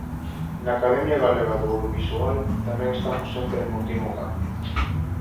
Na Academia Galega do Audiovisual tamén estamos sempre en continuo cambio.